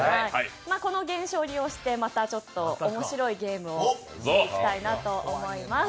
この現象を利用して、面白いゲームをしていきたいと思います。